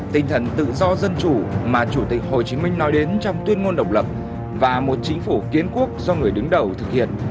tinh thần tự do dân chủ mà chủ tịch hồ chí minh nói đến trong tuyên ngôn độc lập và một chính phủ kiến quốc do người đứng đầu thực hiện